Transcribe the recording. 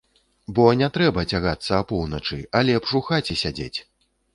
Бо не трэба цягацца апоўначы, а лепш у хаце сядзець!